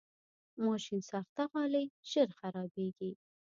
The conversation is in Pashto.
ماشینساخته غالۍ ژر خرابېږي.